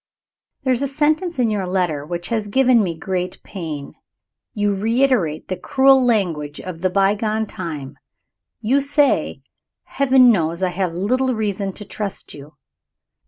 There is a sentence in your letter which has given me great pain. You reiterate the cruel language of the bygone time. You say, "Heaven knows I have little reason to trust you."